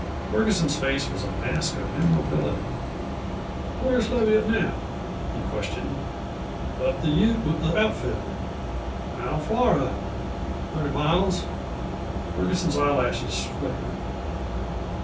Ferguson's face was a mask of immobility. "Where's Leviatt now?" he questioned. "Up the Ute with the outfit." "How far up?" "Thirty miles." Ferguson's eyelashes flickered.